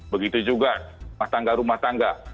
begitu juga matangga rumah tangga